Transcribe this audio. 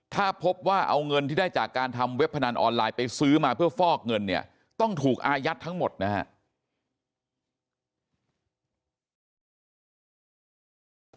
ถ้าพบว่าเอาเงินที่ได้จากการทำเว็บพนันออนไลน์ไปซื้อมาเพื่อฟอกเงินเนี่ยต้องถูกอายัดทั้งหมดนะฮะ